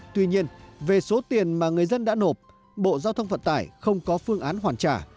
tuy nhiên về số tiền mà người dân đã nộp bộ giao thông vận tải không có phương án hoàn trả